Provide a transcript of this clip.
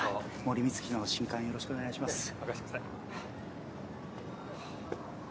森美月の新刊よろしくお願いします。